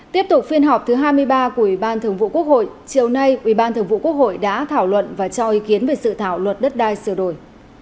tiếp tục phiên họp thứ hai mươi ba của ubthqh chiều nay ubthqh đã thảo luận và cho ý kiến về sự thảo luật đất đai sửa đổi